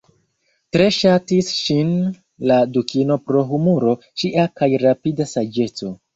Tre ŝatis ŝin la dukino pro humuro ŝia kaj rapida saĝeco.